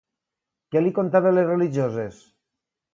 Què li contaven les religioses?